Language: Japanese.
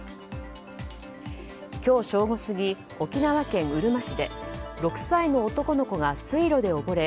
今日正午過ぎ、沖縄県うるま市で６歳の男の子が水路で溺れ